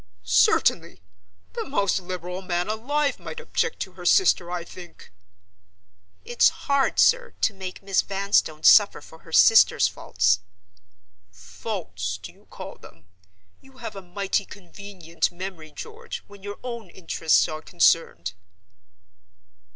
"Certainly! The most liberal man alive might object to her sister, I think." "It's hard, sir, to make Miss Vanstone suffer for her sister's faults." "Faults, do you call them? You have a mighty convenient memory, George, when your own interests are concerned."